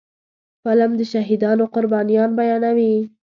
فلم د شهیدانو قربانيان بیانوي